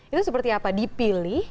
itu seperti apa dipilih